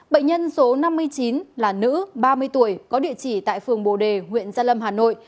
bệnh nhân số năm mươi chín là nữ ba mươi tuổi có địa chỉ tại phường bồ đề huyện gia lâm hà nội